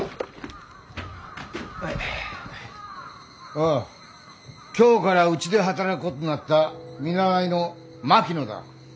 おう今日からうちで働くことになった見習いの槙野だ。